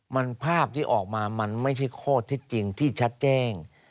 มันภาพที่ออกมามันไม่ใช่ข้อเท็จจริงที่ชัดแจ้ง